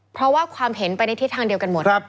เพราะว่าความเห็นไปในทิศทางเดียวกันหมด